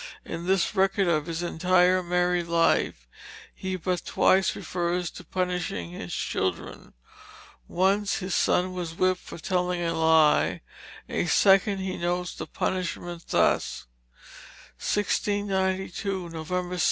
In this record of his entire married life he but twice refers to punishing his children; once his son was whipped for telling a lie, a second time he notes the punishment thus: "1692, Nov. 6.